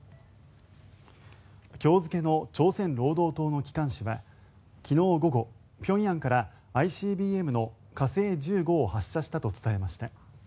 今日付の朝鮮労働党の機関紙は昨日午後平壌からＩＣＢＭの火星１５を発射したと伝えました。